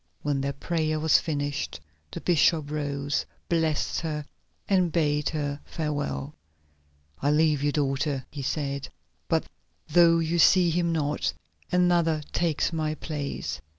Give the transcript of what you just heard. When their prayer was finished the bishop rose, blessed her, and bade her farewell. "I leave you, daughter," he said, "but though you see him not, another takes my place.